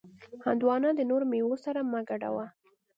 هندوانه د نورو میوو سره مه ګډوه.